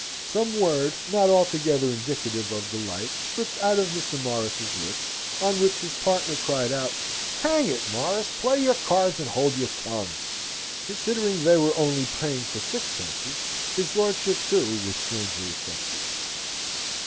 Some word, not altogether indicative of delight, slipped out of Mr. Morris's lips, on which his partner cried out, "Hang it, Morris, play your cards, and hold your tongue!" Considering they were only playing for sixpences, his lordship, too, was strangely affected.